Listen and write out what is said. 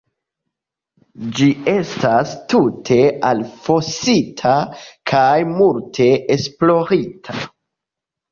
Ĝi estas tute elfosita kaj multe esplorita.